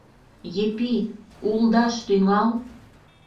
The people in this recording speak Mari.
Епи, улдаш тӱҥал!